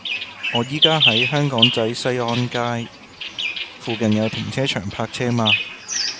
我依家喺香港仔西安街，附近有停車場泊車嗎